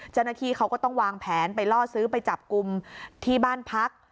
เจ้าหน้าที่เขาก็ต้องวางแผนไปล่อซื้อไปจับกลุ่มที่บ้านพัก